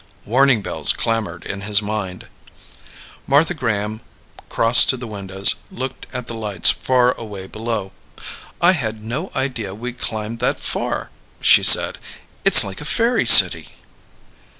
Warning bells clamored in his mind. Martha Graham crossed to the windows, looked at the lights far away below. "I had no idea we'd climbed that far," she said. "It's like a fairy city."